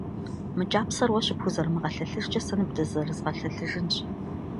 Мы кӏапсэр уэ щыпхузэрымыгъэлъэлъыжкӏэ сэ ныбдызэрызгъэлъэлъыжынщ.